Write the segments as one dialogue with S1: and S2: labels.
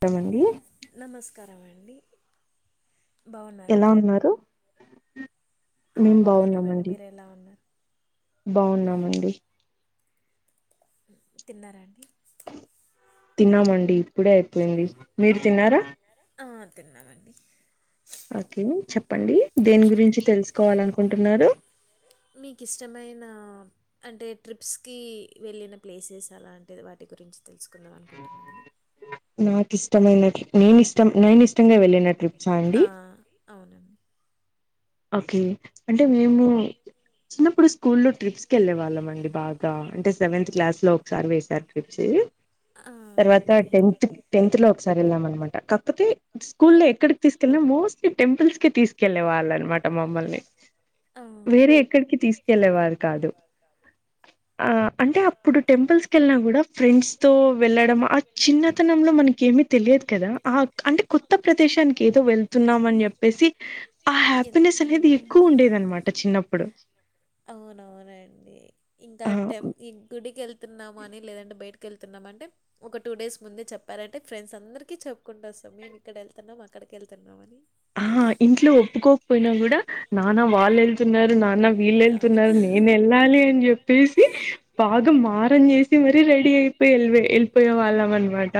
S1: టమండి
S2: స్కారమండి
S1: ఎలా
S2: బాగున్నారంండి
S1: ఉన్నారు
S2: ఆ బాగున్నామండి మీరు ఎలా ఉన్నారు
S1: బాగున్నామండి
S2: తిన్నారండి.
S1: తిన్నామండి ఇప్పుడే అయిపోయింది. మీరు తిన్నారా
S2: తిన్నాామండి.
S1: ఓకే చెప్ ప్పండి దేని గురించి తెలుసుకోవాలనుకుంటున్నారు.
S2: ఆ అంటే ట్రిప్స్కి వెళ్ళిన ప్లేసెస్ అలాంటిది వాటి గురించి తెలుసుకుందా మనుకుంటున్నానండి.
S1: ఇష్టమైనట్లు నేనిష్టం నేనిష్టంగా వెళ్ళిన ట్రిప్
S2: ఆ అవునండి.
S1: ఓకే. అంటే మేము చిన్నప్పుడు స్కూల్లో ట్రిప్స్ కి వెళ్ళే వాళ్ళం అండి బాగా అంటే సెవెంత్ క్లాస్లో ఒకసారి వేసారు ట్రిప్స్
S2: ఆ,
S1: తర్వాత
S2: ఓకే అండి
S1: టెన్త్ టెన్త్ లో ఒకసారి వెళ్ళామనమాట కాకపోతే స్కూల్లో ఎక్కడికి తీసుకెళ్ ఐనా మోస్ట్ టెంపుల్స్ కే తీసుకెళ్ళే వాళ్ళనమాట ట మమ్మల్ని
S2: ఆ,
S1: వేరే ఎక్కడికి తీసుకెళ్ళలేవారు కాదు. ఆ అంటే అప్పుడు టెంపుల్స్ కెళ్ళిన కూడా ఫ్రెండ్స్ తో వెళ్ళడం ఆ చిన్నతనంలో మనకేమి తెలియదు కదా ఆ అంటే కొత్త ప్రదేశానికి ఏదో వెళ్తు ఉన్నామని చెప్పేసి ఆ హ్య
S2: ఎన్-
S1: హ్యపీనెస్ అనేది ఎక్కువ ఉండేది
S2: ఆ,
S1: అనమాట చిన్నప్పుడు
S2: అవునవునండి. ఇంకా
S1: ఆ
S2: టెం ఈ గుడికెళ్తున్నాము అని లేదంటే బయటకి వెళ్తూన్నామంటే ఒక టూ డేస్ ముందే చెప్పారంటే ఫ్రెండ్స్ అందరికి చెప్పుకుంటోస్తాం. మేము ఇక్కడ వెళ్తున్నాం అక్కడికి వెళ్తు తున్నామని
S1: ఆహ ఇంట్లో ఒప్పుకోకపోయినా కూడా నాన్న వాళ్ళు వెళ్తున్నారు నాన్న
S2: అవును.
S1: వీళ్ళేళ్తున్నారు నేను వెళ్ళాలి అని చెప్పేసి బాగా మారం చేసి మరి రే డి అయిపోయి ఎల్ ఎల్పోయే వాళ్ళమన్మాట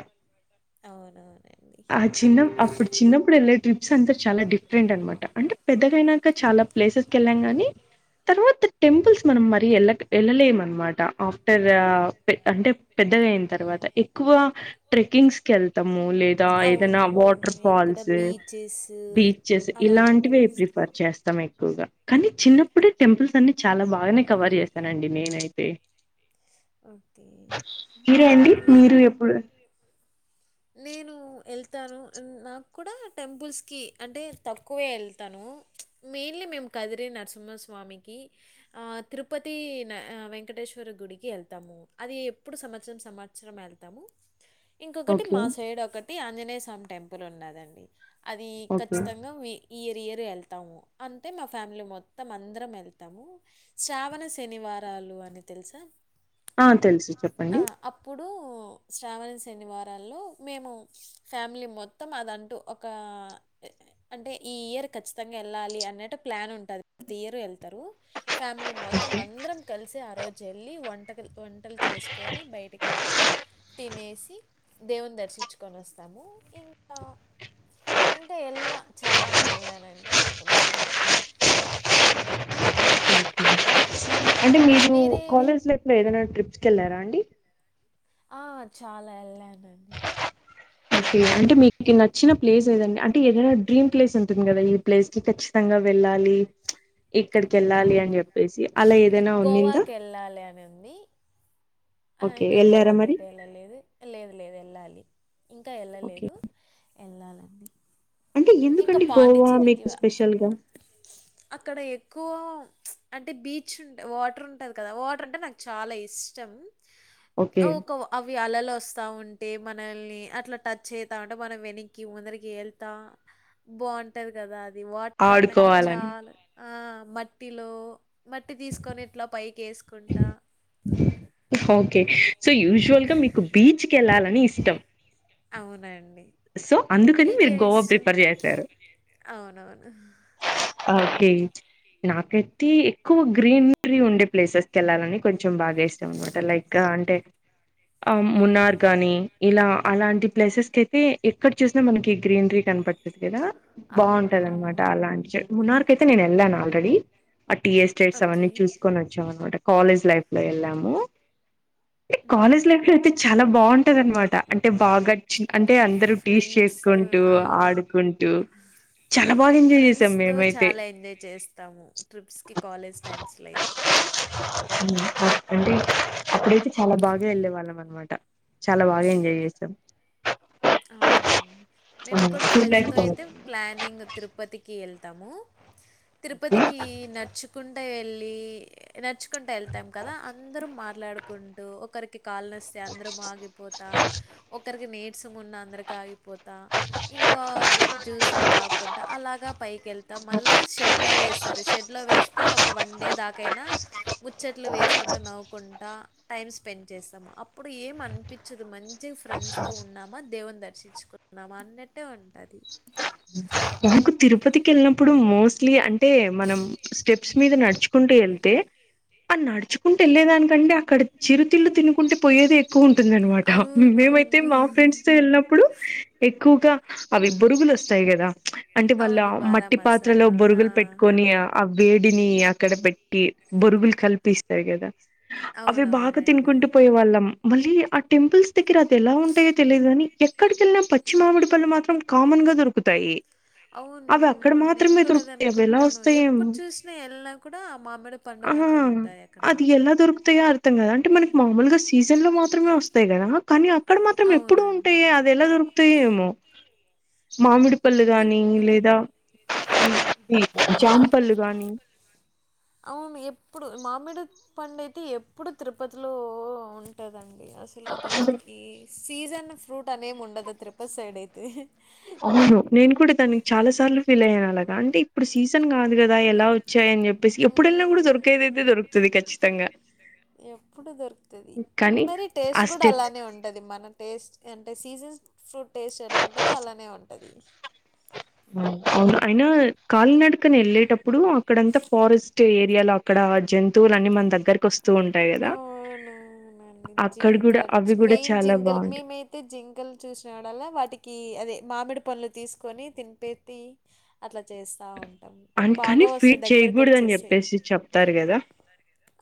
S2: అవునవును.
S1: ఆ చిన్న అప్పుడు చిన్నప్పుడు వెళ్ళే ట్రిప్స్ అంతా చాలా డిఫరెంట్ అనమాట అంటే పెద్దగైనాక చాలా ప్లేసెస్ కెళ్ళాం కానీ తర్వాత టెంపుల్స్ మనం మరి వెళ్ళాక్ వెళ్ళలేమన్మాట ఆఫ్టర్ అంటే పెద్ద పెద్దగయినా తర్వాత ఎక్కువ ట్రెకింగ్స్ కి వెళ్తాము లేద దా ఏధైనా
S2: అవును
S1: వాటర్
S2: ఇక్కడ
S1: ఫాల్స్
S2: బీచెస్
S1: బీచెస్
S2: అలాంటి
S1: ఇలాంటివి
S2: ప్లేస్
S1: ప్రిఫర్ చేస్తాం ఎక్ క్కువగా కానీ చిన్నప్పుడే టెంపుల్స్ అన్ని చాలా బాగానే కవర్ చేశానండి నేనైతే
S2: ఓకే
S1: మీరే అండి?
S2: మీరు
S1: ఎప్పుడు
S2: మీరు నేను వెళ్తాను నాక్కూడా టెంపుల్స్కిి అంటే తక్కువే వెళ్తా ను. మైన్లీ మేము కదిరి నరసింహస్వామికి ఆ తిరుపతి న వెంకటేశ్వర గుడికి వెళ్తాము, అది ఎప్పుడు సంవత్సరం, సంవత్సరం వెళ్తాము. ఇంకొకటి
S1: ఓకే.
S2: మా సైడ్ ఒకటి ఆంజనేయ స్వామి టెంపుల్ ఉన్నాదండి. అది
S1: ఓకే.
S2: ఖచ్చితంగా వి ఈయ ఇయర్ ఏళ్తాము, అంటే మా ఫ్యామిలీ మొత్తం అందరం వెళ్తాము, శ్రావణ శనివారా లు అని తెలుసా
S1: ఆ తెలుసు
S2: ఆ! ఆ,
S1: చెప్పండి.
S2: తెలుసు. అప్పుడు శ్రావణ శనివారాల్లో మేము ఫ్యామిలీ మొత్తం అదంటూ ఒక అంటే ఈ ఇయర్ ఖచ్చితంగా వెళ్ళాలి అన్నట్టు ప్లాన్ ఉంటది, ప్రతి ఇయర్ వెళ్తారు ఫ్యామిలీ మొ మొత్తం
S1: ఓకే.
S2: అందరం కలిసే ఆ రోజేళ్లి వంట వంటకలు వంటలు చేసుకొని బయటికి వెళ్ళి తినేసి దేవుని దర్శించుకొని వస్తామ్. ఇంకా ఇంకా ఎల్ల చాలానే వెల్లలేనండి టెంపుల్స్కి మాత్రం
S1: ఓకే.
S2: ఆ
S1: అంటే మీరు
S2: మీరే
S1: కాలేజ్ లైఫ్ లో ఏదైనా ట్రిప్స్కి వెళ్ళారా అండి
S2: ఆ చాలా ఎళ్ళానండి
S1: ఓకే అంటే మీకు నచ్చిన ప్లేస్ ఏదండి అంటే ఏదైనా డ్రీమ్ ప్లేస్ ఉంటుంది. కదా ఈ ప్లేస్ కచ్చి తంగా వెళ్ళాలి ఇక్కడికి వెళ్ళాలి
S2: అవును,
S1: అని చెప్పేసి అలా ఏదైనా ఉన్నిందా,
S2: గోవాకి వెళ్ళాలి అని ఉంది
S1: ఓకే
S2: ఇంకా
S1: వెళ్ళారా
S2: గోవాకి
S1: మరి
S2: అయితే వెళ్ళలేదు, లేదు లేదు వెళ్ళాలి ఇంకా
S1: ఓకే
S2: వెళ్ళలేదు, వెళ్ళాలండి
S1: అంటే
S2: ఇంకా
S1: ఎందుకండి గోవా
S2: పాండిచ్చేరికి
S1: మీకు
S2: వా-
S1: స్పెషల్గా
S2: గోవా అంటే బీచ్ ఉంటే వాటర్ ఉంటది కదా వాటర్ అంటే నాకు చాలా ఇష్టం,
S1: ఓకే
S2: అవి ఒక అలలు వస్తా ఉంటా, అంటే మనల్ని అట్లా టచ్ చేతా అంటే మనం వెనక్కి ముందరికి వెళ్తా బాగుంటది, కదా అది వాటర్ అన్నాక
S1: ఆడుకోవాలని
S2: చాలా ఆ మట్టిలో మట్టి తీసుకొని ఇట్లా పైకి వేసుకుంటా
S1: ఓకే సో యూజువల్ గా మీకు బీచ్ కి వెళ్ళాలని ఇష్టం,
S2: అవునండి
S1: సో అందుకని మీరు
S2: మీకేం
S1: గోవా
S2: ఇష్టం
S1: ప్రిపేర్ చేశారు.
S2: అవునవును
S1: ఓకే నాకైతే ఎక్కువ గ్రీనరీ ఉండే ప్లేసెస్ కెళ్లాలని కొంచెం బాగా ఇష్టాం అనమాట లైక్ అంటే ఆ మున్నార్ గాని ఇలా అలాంటి ప్లేసెస్ కయితే ఎక్కడ చూసినా మనకి గ్రీనరీ కనపడుతుంది. కదా
S2: అవును
S1: బాగుంటది అనమాట
S2: అవును
S1: అలాంటి చో మునార్ కి అయితే నేను వెళ్ళాను ఆల్రెడీ ఆ టీ ఎస్టేట్స్
S2: ఓకే
S1: అవన్నీ చూసుకొని వచ్చాం అనమాట కాలేజ్ లైఫ్ లో వెళ్ళాము. కాలేజ్ లైఫ్ లో అయితే చాలా బాగుంటది. అనమాట అంటే బాగా చి అంటే అందరు టీస్
S2: ఫ్రెండ్స్తో
S1: చేసుకుంటూ ఆడుకుంటూ చాలా బాగా ఎంజాయ్
S2: ఫ్రెండ్స్
S1: చేసాం
S2: తో
S1: మేమైతే.
S2: చాలా ఎంజాయ్ చేస్తాము ట్రిప్స్కి కాలేజ్ టైమ్స్లో అయితే
S1: [unintelligible] అప్పుడైతే చాలా బాగా వెళ్ళే వాళ్ళం అనమాట చాలా బాగా ఎంజాయ్ చేసామ్
S2: అవునండి మేము కూడా ఫ్రెండ్స్ తో అయితే ప్లానింగ్ తిరుపతికి వెళ్తాము. తిరుపతికి నడుచుకుంట వెళ్ళి నడుచ్చుకుంటూ వెళ్తాం కదా అందరూ మాట్లాడుకుంటూ ఒకరికి కాళ్లు నొస్తే అందరం ఆగిపోతా ఒక్కరికి నీరసమున్న అందరికి ఆగిపో పోతా ఇంకా జ్యూసులు తాకుకుంటా అలాగా పైకి వెళ్తా మళ్ళ షెడ్ లో వేస్తారు షెడ్ లో వేస్తే ఒక వన్ డే దాకైనా ముచ్చట్లు వేసుకుంటా నవ్వుకుంటా టైం స్పెండ్ చేస్తాము అప్పుడు ఏం అనిపించదు మంచి మంచి ఫ్రెండ్స్ తో ఉన్నామా దేవుని దర్శించుకున్నామా అన్నట్టే ఉంటది
S1: మాకు తిరుపతికి వెళ్ళినప్పుడు మోస్ట్లీ అంటే మనం స్టెప్స్ మీద నడుచుకుంటూ వెళ్తే ఆ నడుచుకుంట వెళ్లేదానికంటె అక్కడ చిరుతిల్లు తినుకుంటే పోయేది ఎక్కువ ఉం టుందన్నమాట మేమైతే
S2: అవునవును
S1: మా ఫ్రెండ్స్ తో వెళ్ళినప్పుడు ఎక్కువగా అవి బురుగులు వస్తాయి కదా అంటే వాళ్ళ
S2: అవును బారా
S1: మట్టి పాత్రలో
S2: మసాలా ఆ,
S1: బురుగులు పెట్టుకొని అ వేడిని అక్కడ పెట్టి బొరుగులు కల్పిస్తాయి కదా అవి బాగా
S2: అవునవునండి
S1: తినుకుంటూ పోయే వాళ్ళం మళ్ళీ ఆ టెంపుల్స్ దగ్గర అది ఎలా ఉంటాయో తెలియదు కాని ఎక్కడికి వెళ్లిన పచ్చి మామిడి పళ్ళు మాత్రం కామన్ దొరుకుతాయి అవి అక్కడ
S2: అవునవును నేను
S1: మాత్రమే
S2: కూడా అది
S1: దొరుకుతాయి అవి ఎలా
S2: అనుకుంటాను ఎప్పుడు
S1: వస్తాయేమో
S2: చూసినా ఎళ్ళినా కూడా ఆ మామిడ పండ్లు
S1: ఆ అది ఎలా దొరుకు తాయో అర్థం కాదు అంటే మనకి మామూలుగా సీజన్ లో మాత్రమే వస్తాయి కదా కానీ అక్కడ మాత్రం ఎప్పుడు
S2: అవునండి
S1: ఉంటాయే అది ఎలా దొరుకుతాయో ఏమో మామిడి పల్లు
S2: తిరుపతి
S1: ఇది జాంపళ్ళు గాని
S2: అవును ఎప్పుడు మామిడి పండ్లు అయితే ఎప్పుడు తిరుపతిలో ఉంటదండి అసలు దానికి సీజన్ ఫ్రూట్ అనేమి ఉండదు తిరుపతి సైడ్ అయితే
S1: అవును నేను కూడా దానికి చాలా సార్లు ఫీల్ అయ్యాను అలాగా అంటే ఇప్పుడు సీజన్ కాదు కదా ఎలా వచ్ వచ్చాయని చెప్పేసి ఎప్పుడన్న
S2: మనకి
S1: కూడా దొరికేది అయితే దొరుకుతుంది ఖచ్చితంగా
S2: ఎప్పుడు దొరుకుతుది
S1: కానీ
S2: మరి
S1: ఆ
S2: టేస్ట్ కూడా
S1: స్టెప్స్
S2: అలానే ఉంటది మనకు టేస్ట్ అంటే సీజన్ ఫ్రూట్ టేస్ట్ ఎలా ఉంటదో అలానే ఉంటది
S1: అవును అయినా కాలి నడకన వెళ్ళేటప్పుడు అక్కడంతా ఫారెస్ట్ ఏరియాలో అక్కడ జంతువులన్నీ మన దగ్గకు వస్
S2: అవునవునండి
S1: అక్కడ కూడా
S2: జింకల్
S1: అవి కూడా
S2: మెయిన్
S1: చాలా
S2: జింకల్
S1: బాగుంటాయి
S2: మేమయితే జింకలు చూ వచ్చినపుడల్లా వాటికి అదే మామిడి పండ్లు తీసుకొని తినిపేది అట్లా చేస్తా ఉంటాం. బాగా
S1: అందుకని
S2: వస్తాయి
S1: ఫీట్ చేయకూడదని
S2: దగ్గరకొచ్చేస్తాయి.
S1: చెప్పేసి చెప్తారు కదా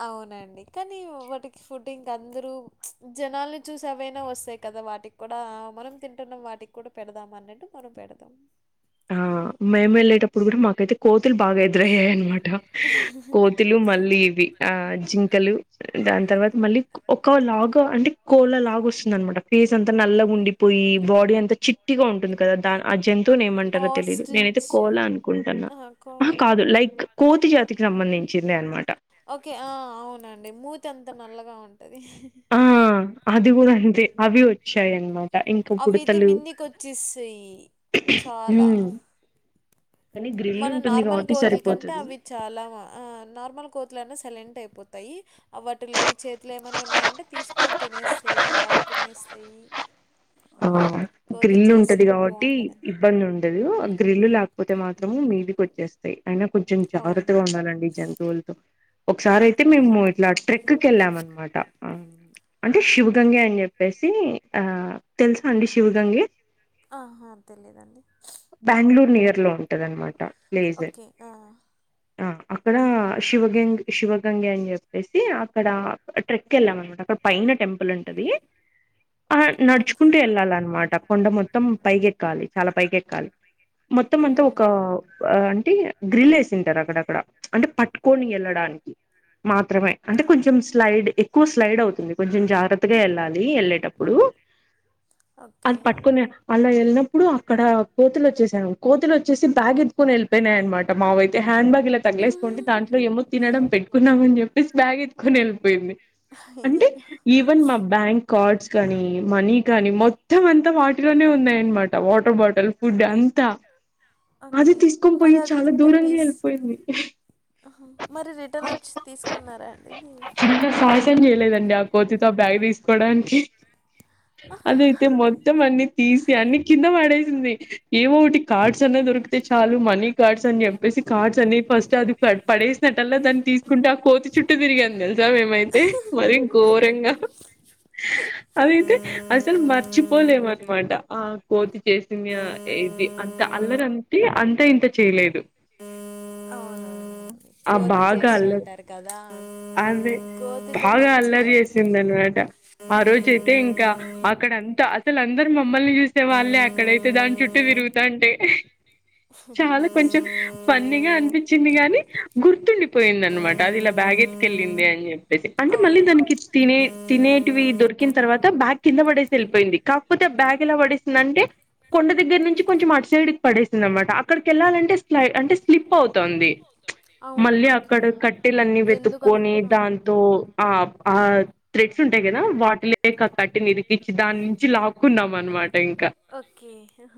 S2: అవునండి కా కానీ వాటికి ఫుడ్ ఇంక అందరు జనాలని చూసి అవైనా వస్తాయి కదా వాటికి కూడా మనం తింటున్నాం వాటికి కూడా పెడదాం అన్నట్టు మనం పెడతం
S1: ఆ మేము ఎళ్ళేటప్పుడు కూడా మాకైతే కోతులు బాగా ఎదురయ్యాయనమాట కోతులు మళ్ళీ ఇవి ఆ జింకలు దాని తర్వాత మళ్ళీ ఒక లాగ అంటే కోలా లాగ వస్తుంది అనమాట ఫేస్ అంతా నల్లగా ఉండిపోయి ఈ బాడీ అంత చిట్టిగా ఉంటుంది కదా ఆ జంతువుని ఏమంటారో తెలిదు నేనైతే
S2: ఆస్ట్రిచ్
S1: కోలా అనుకుంటాన్నా
S2: ఆహా!
S1: ఆహ
S2: కో
S1: కాదు లైక్ కోతి జాతికి సంబంధించింది అనమాట
S2: ఓకే ఆ అవునండి మూతంత నల్లగా ఉంటది
S1: ఆ అది గుడా అంతే అవి వచ్ వచ్చాయనమాట ఇంకా ఈ
S2: అవైతే
S1: బుడతలు
S2: మిందికొచ్చేస్తాయి చాలా.
S1: హుమ్
S2: మన నార్మల్ కోతుల కంటే
S1: సరిపోతది
S2: అవి చాలా ఆ నార్మల్ కోతు లైన సైలెంట్ అయిపోతాయి అ వాటి లేదు చేతులో ఏమన్నా ఉన్నాయంటే తీసుకొని తినేస్తాయి లాకునేస్తాయి
S1: ఆ గ్రిల్
S2: చేష్ట
S1: ఉంటది కాబట్టి
S2: బావుంటదని.
S1: ఇబ్బంది ఉండదు గ్రిల్లు లేకపోతే మాత్రము మీది వచ్చేస్తాయి అయినా కొంచెం జాగ్రత్తగా
S2: అవును.
S1: ఉండాలండి జంతువులతో ఒకసారి అయితే మేము ఇట్లా
S2: అవునండి.
S1: ట్రెక్కు కెళ్ళాం అనమాట అంటే శివ గంగే అని చెప్పేసి ఆ తెలుసా అండి శివ గంగే
S2: ఆహా తెలిదండి
S1: బెంగళూరు నియర్ లో ఉంటదనమాట
S2: ఓకే ఆ
S1: అక్కడ శివగన్ శివగంగే అని చెప్పేసి అక్కడ ట్రెక్ కెళ్ళాం అనమాట అక్కడ పైన టెంపుల్ ఉంటది ఆ
S2: ఓకే.
S1: నడుచుకుంటూ ఎళ్ళాలన్నమాట కొండ మొత్తం పైకెక్కాలి చాలా పైకెక్కాలి మొత్తం అంతా ఒక
S2: హ్మ్.
S1: ఆ అంటే గ్రిల్ ఏసింటారు అక్కడక్కడ అంటే పట్టుకొని ఎల్లడానికి మనికి మాత్రమే అంటే కొంచెం స్లైడ్ ఎక్కువ స్లైడ్ అవుతుంది కొంచెం జాగ్రత్తగా ఎళ్ళాలి ఎళ్ళేటప్పుడు
S2: ఎల్లేటప్పుడు
S1: అది పట్టుకోలేరా అలా వెళ్ళినప్పుడు అక్కడ కోతులు వచ్చేసాను కోతలు వచ్చేసి బ్యాగ్ ఎత్తుకొని వెళ్ళిపోయినాయి అనమాట మావైతే హ్యాండ్ బ్యాగ్ ఇలా
S2: ఉహుహు.
S1: తగలేసుకుంటే దాంట్లో ఏమో తినడం పెట్టుకున్నామని చెప్పేసి బ్యాగ్ ఎత్తుకొని వెళ్ళిపోయింది అంటే
S2: అయ్యయ్యో!
S1: ఈవెన్ మా బ్యాంక్ కార్డ్స్ కానీ మనీ కానీ మొత్తం అంతా వాటిలోనే ఉన్నాయన్నమాట వాటర్ బాటిల్ ఫుడ్ అంతా అది
S2: ఓకే.
S1: తీసుకొని పోయి
S2: మరి అది
S1: చాలా
S2: రిటర్న్
S1: దూరంగా
S2: తీస్
S1: వెళ్ళిపోయింది
S2: మరి రిటర్న్ వచ్చి తీసుకున్నారా అండి ఇది
S1: చిన్న సాహసం చేయలేదండి ఆ కోతితో బ్యాగ్ తీసుకోడానికి అదైతే మొత్తం అన్ని తీసి అన్ని కింద పడేసింది ఏమో ఒకటి కార్డ్స్ అనే దొరికితే చాలా మనీ కార్డ్స్ అని చెప్పేసి కార్డ్స్ అని ఫస్ట్ అది పడేసినట్ల్లా దాన్ని తీసుకుంటే కోతి చుట్టూ తిరిగి తిరిగాం తెలుసా మేమైతే మరి ఘోరంగా అదైతే మర్చిపోలేఅన్నమాట ఆ కోతి చేసంది ఇది అంత అల్లర అంటే అంతా ఇంత చేయలేదు
S2: ఆ అవును
S1: ఆ
S2: కోతి
S1: బాగా
S2: చేష్టలు
S1: అల్లరి
S2: అంటారు కదా
S1: అదే
S2: కోతితో
S1: బాగా
S2: మంచి
S1: అల్లరి
S2: అయింది
S1: చేసిందనమాట ఆ రోజ అయితే ఇంకా అక్కడ అంతా అసలు అందరు మా మమ్మల్ని చూసే వాళ్ళే అక్కడైతే దాని చుట్టూ తిరుగుతా అంటే చాలా కొంచెం ఫన్నీ గా అనిపించింది గానీ గుర్తుండి పోయింద అనమాట అది ఇలా బ్యాగ్ ఎత్తుకెళ్ళింది అని చెప్పేసి అంటే మళ్ళీ
S2: అవును.
S1: దానికి తినే తినేటివి దొరికిన తర్వాత బ్యాగ్ కింద పడేసి వెళ్ళిపోయింది కాకపోతే ఆ బ్యాగ్ ఎలా పడేసింది అంటే కొండ దగ్గర నుంచి కొంచెం అటు సైడ్ కి పడేసిందన్నమాట అక్కడికి వెళ్ళాలంటే స్లై అంటే స్లిప్ అవుతుంది
S2: అవును.
S1: మళ్ళీ
S2: ఓకే.
S1: అక్కడ కట్టెలన్నీ
S2: ఎందుకన్
S1: వెతుక్కొని
S2: ఆ!
S1: దాంతో ఆ ఆ త్రెడ్స్ ఉంటాయి కదా వాటి క కట్ కట్టెను ఇరికిచ్చి దాని నుంచి లాక్కున్నాం అనమాట ఇంకా
S2: ఆహ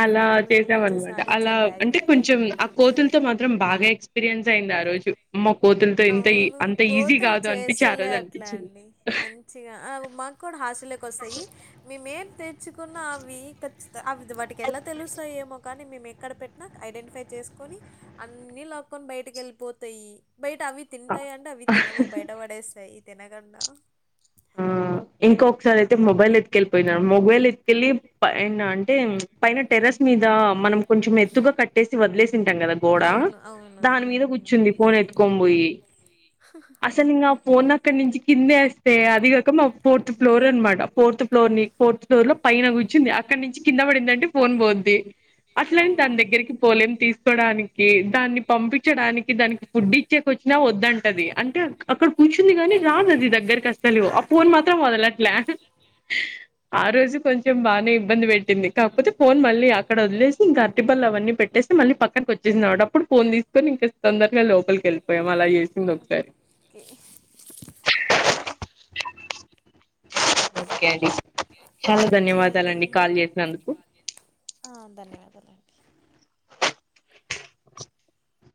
S1: అలా చేసాం అనమాట అలా
S2: బ్యాగ్ని
S1: అంటే
S2: అయితే
S1: కొంచెం ఆ కోతులతో మాత్రం బాగా ఎక్స్పీరియన్స్ అయింది ఆ రోజు కోతులతో ఇంత ఈ
S2: అవును
S1: అంత ఈజీ
S2: కోతులు
S1: కాదు అనిపించి ఆ
S2: చేస్తలే
S1: రోజు
S2: అట్లా
S1: అనిపించింది.
S2: అండి మంచిగా మాకు కూడా హాస్టల్లకు వస్తాయి మేమేం తెచ్చుకున్న అవి ఖచ్చిత అవి వాటికి ఎలా తెలుస్తాయేమో కానీ మేము ఎక్కడ పెట్టినా ఐడెంటిఫై చే చేసుకొని అన్ని లాక్కకొని బయటకి వెళ్ళిపోతాయి బయట అవి తింటాయి అంటే అవి తినవు బయట పడేస్తాయి తినకుండా
S1: ఆ ఇంకొసారి అయితే మొబైల్ ఎత్తుకెళిపోయిన మొబైల్ ఎతుకెళ్ళింట పైన అంటే పైన టెర్రర్స్ మీద మనం కొంచెం ఎత్తుగా కట్టేసి వదిలేసింటాం కదా గోడ
S2: అవును అవును
S1: దాని మీద కూర్చుంది ఫోన్
S2: ఉమ్.
S1: ఎత్తుటుకొ పోయి అసలు ఇంకా ఫోను అక్కడ నుంచి కింద వేస్తే అదికాక మా ఫోర్త్ ఫ్లోర్ అనమాట ఫోర్త్ ఫ్లోర్ ని ఫోర్త్ ఫ్లోర్ లో పైన కూర్చింది అక్కడ నుంచి కింద పడిందంటే ఫోన్ పోంది అసలని దాని
S2: అవునవును
S1: దగ్గరికి పోలెం తీసుకోవడానికి దాన్ని పంపించడానికి దానికి ఫుడ్ ఇచ్చే కొచ్చు వద్దంటది అంటే అక్కడ కూర్చుంది కాని రాదది తెలువు ఆ ఫోన్ మాత్రం వదలట్లే ఆ రోజు కొంచెం బానే ఇబ్బంది పెట్టింది కాపోతే ఫోన్ మళ్ళీ అక్కడ వదిలేసి ఇంకా అరటి పళ్ళు అవన్నీ పెట్టేసి మళ్ళీ పక్కనకి వచ్చేసింది అప్పుడు ఫోన్ తీసుకొని ఇంకా తొందరగా లోపలికి వెళ్ళిపోయాం అలా చేసింది ఒకసారి
S2: ఉ
S1: కేడి
S2: ఓకే అండి ధన్యవాదాలు అండి